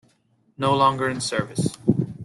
No longer in service.